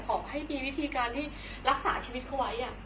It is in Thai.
ขอให้มีวิธีการที่รักษาชีวิตเขาไว้